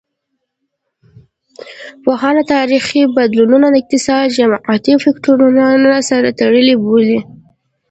پوهان تاریخي بدلونونه اقتصادي او جمعیتي فکتورونو سره تړلي بولي.